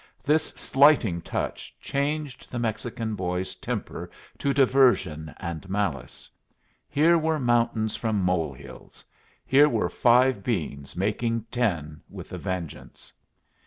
This slighting touch changed the Mexican boy's temper to diversion and malice. Here were mountains from mole hills! Here were five beans making ten with a vengeance!